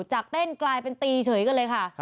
จากเต้นกลายเป็นตีเฉยกันเลยค่ะ